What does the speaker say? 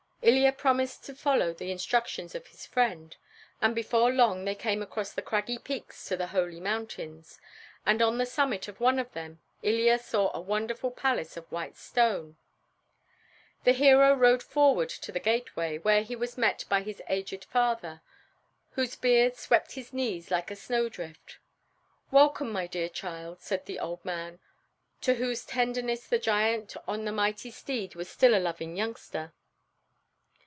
Ilya promised to follow the instructions of his friend, and before long they came across the craggy peaks to the Holy Mountains, and on the summit of one of them Ilya saw a wonderful palace of white stone. The hero rode forward to the gateway, where he was met by his aged father, whose beard swept his knees like a snow drift. "Welcome, my dear child," said the old man, to whose tenderness the giant on the mighty steed was still a loving youngster.